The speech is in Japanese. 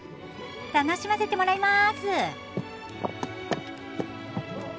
楽しませてもらいます。